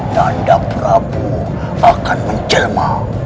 nanda prabu akan menjelma